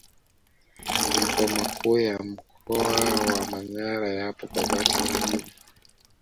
Makao makuu ya mkoa wa Manyara yapo Babati Mjini